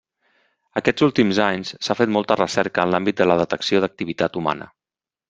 Aquests últims anys s'ha fet molta recerca en l'àmbit de la detecció d'activitat humana.